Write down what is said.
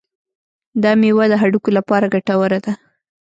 دا میوه د هډوکو لپاره ګټوره ده.